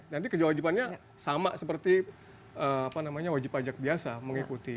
nanti kejualan wajibannya sama seperti apa namanya wajib pajak biasa mengikuti